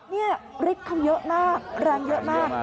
นี่ริดเข้ามาเยอะมากแรงเยอะมาก